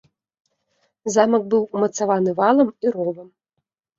Замак быў умацаваны валам і ровам.